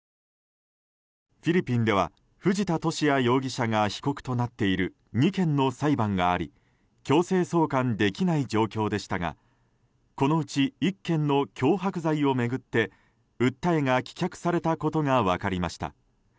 フィリピンでは藤田聖也容疑者が被告となっている２件の裁判があり強制送還できない状況でしたがこのうち１件の脅迫罪を巡って訴えが棄却されたことが分かりました。